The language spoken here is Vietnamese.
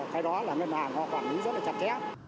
bởi vì ngân hàng quản lý rất chặt chẽ